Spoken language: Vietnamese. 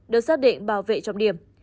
được xác định bảo vệ trong điểm